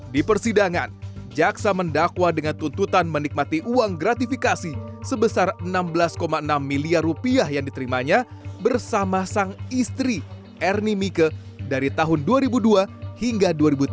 di persidangan jaksa mendakwa dengan tuntutan menikmati uang gratifikasi sebesar enam belas enam miliar rupiah yang diterimanya bersama sang istri ernie mike dari tahun dua ribu dua hingga dua ribu tiga belas